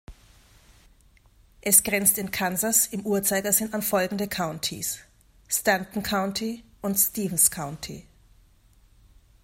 Es grenzt in Kansas im Uhrzeigersinn an folgende Countys: Stanton County und Stevens County.